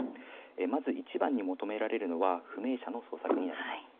まず、いちばんに求められるのは不明者の捜索になります。